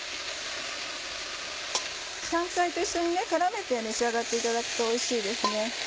香菜と一緒に絡めて召し上がっていただくとおいしいですね。